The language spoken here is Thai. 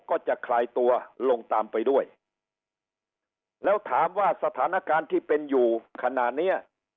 ก็จะคลายตัวลงตามไปด้วยแล้วถามว่าสถานการณ์ที่เป็นอยู่ขณะเนี้ย